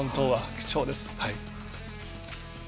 貴重です。